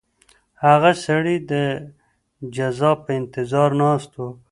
هغه سړی د جزا په انتظار ناست و.